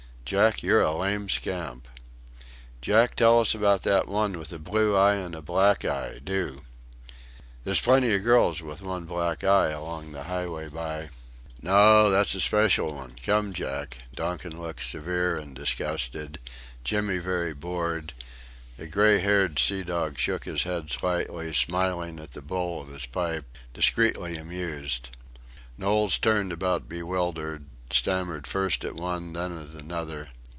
"Jack, you're a lame scamp." "Jack, tell us about that one with a blue eye and a black eye. Do." "There's plenty of girls with one black eye along the Highway by..." "No, that's a speshul one come, Jack." Donkin looked severe and disgusted; Jimmy very bored; a grey haired sea dog shook his head slightly, smiling at the bowl of his pipe, discreetly amused. Knowles turned about bewildered; stammered first at one, then at another.